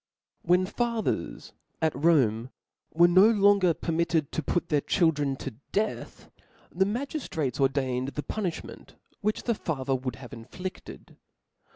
When fathers, at Rome, were no longer per mitted to put their children to death, the magif (y)Sceiawtrates ordained the C") punifliment which the fa CoAtde ^l^cr would have inflifted.